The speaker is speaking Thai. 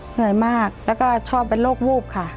เหนื่อยมากแล้วก็ชอบเป็นโรควูบค่ะ